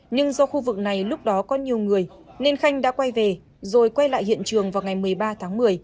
nhưng do khu vực này lúc đó có nhiều người nên khanh đã quay về rồi quay lại hiện trường vào ngày một mươi ba tháng một mươi